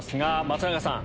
松永さん